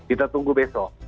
kita tunggu besok